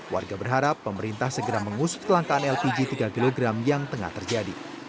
warga berharap pemerintah segera mengusut kelangkaan lpg tiga kg yang tengah terjadi